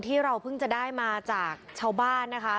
ที่เราเพิ่งจะได้มาจากชาวบ้านนะคะ